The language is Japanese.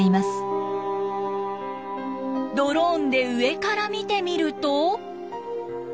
ドローンで上から見てみると。